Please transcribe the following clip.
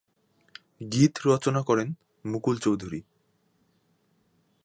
গীত রচনা করেন মুকুল চৌধুরী।